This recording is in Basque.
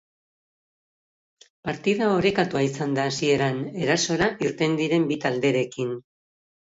Partida orekatua izan da hasieran, erasora irten diren bi talderekin.